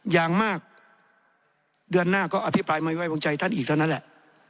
อย่างมากเดือนหน้าก็อภิปรายไม่ไว้วางใจท่านอีกเท่านั้นแหละ